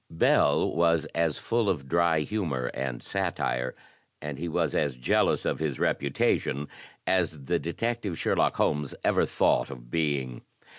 Bell was as full of dry humor and satire, and he was as jealous of his reputation, as the detective Sherlock Holmes ever thought of being.